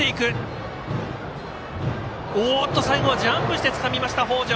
最後はジャンプをしてつかみました、北條。